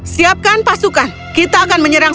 siapkan pasukan kita akan menyerang